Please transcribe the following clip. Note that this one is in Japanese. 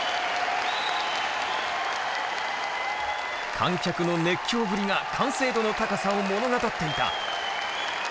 観客の熱狂ぶりが完成度の高さを物語っていた。